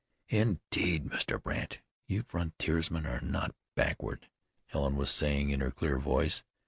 "Indeed, Mr. Brandt, you frontiersmen are not backward," Helen was saying in her clear voice.